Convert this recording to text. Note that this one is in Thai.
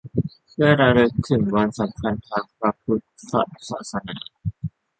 เพื่อระลึกถึงวันสำคัญทางพระพุทธศาสนา